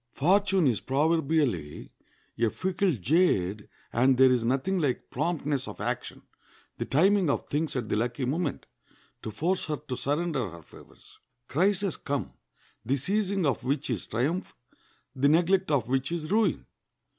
Fortune is proverbially a fickle jade, and there is nothing like promptness of action, the timing of things at the lucky moment, to force her to surrender her favors. Crises come, the seizing of which is triumph, the neglect of which is ruin.